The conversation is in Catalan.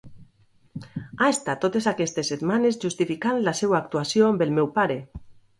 Ha estat totes aquestes setmanes justificant la seua actuació amb el meu pare.